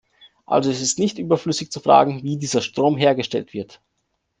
Also ist es nicht überflüssig zu fragen, wie dieser Strom hergestellt wird.